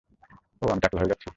ওহ, আমি টাকলা হয়ে যাচ্ছি?